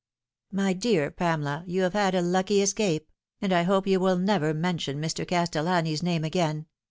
"My dear Pamela, you have had a lucky escape ; and I hope you will never mention Mr. Castellani's name again.